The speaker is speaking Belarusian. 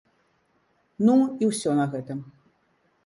Ну, і ўсё на гэтым!